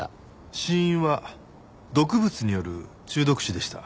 死因は毒物による中毒死でした。